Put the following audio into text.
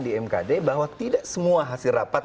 di mkd bahwa tidak semua hasil rapat